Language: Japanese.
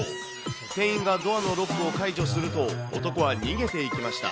店員がドアのロックを解除すると、男は逃げていきました。